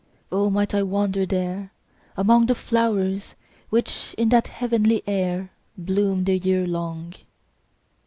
O might I wander there, Among the flowers, which in that heavenly air 5 Bloom the year long!